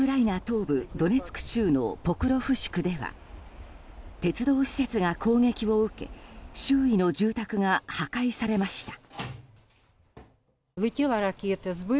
東部ドネツク州のポクロフシクでは鉄道施設が攻撃を受け周囲の住宅が破壊されました。